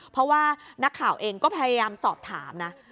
เพราะว่านักข่าวเองก็พยายามสอบถามนะ